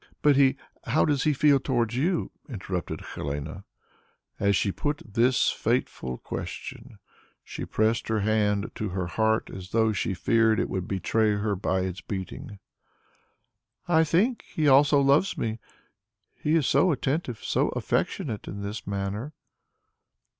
"But he how does he feel towards you?" interrupted Helene. As she put this fateful question, she pressed her hand to her heart as though she feared it would betray her by its beating. "I think ... he also loves me; he is so attentive, so affectionate in his manner."